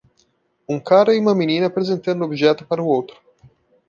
Um cara e uma menina apresentando objeto para o outro.